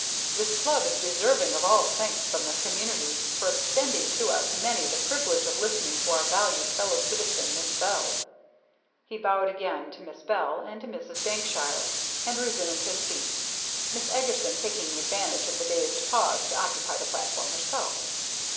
This club is deserving of all thanks from the community for extending to so many the privilege of listening to our valued fellow citizen Miss Bell." He bowed again to Miss Bell and to Mrs. Dankshire, and resumed his seat, Miss Eagerson taking advantage of the dazed pause to occupy the platform herself.